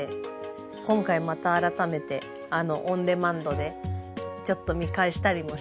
今回また改めてオンデマンドでちょっと見返したりもして。